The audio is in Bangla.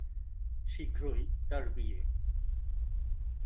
শীঘ্রই তার বিয়ে।